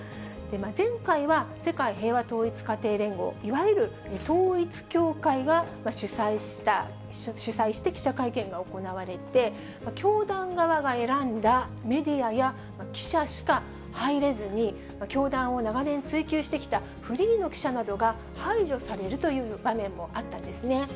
前回は世界平和統一家庭連合、いわゆる統一教会が主催して記者会見が行われて、教団側が選んだメディアや記者しか入れずに、教団を長年追及してきたフリーの記者などが排除されるという場面もあったんですね。